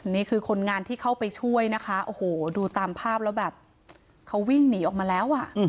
นี่คือคนงานที่เข้าไปช่วยนะคะโอ้โหดูตามภาพแล้วแบบเขาวิ่งหนีออกมาแล้วอ่ะ